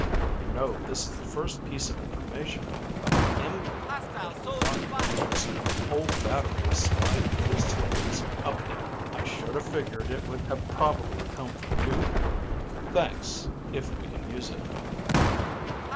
You know, this is the first piece of information of import that we've gotten from this whole battery of slide rule slippers up there. I should have figured it would have probably come from you. Thanks, if we can use it."